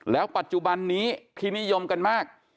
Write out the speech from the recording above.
แล้วปัจจุบันนี้ที่นิยมกันมาก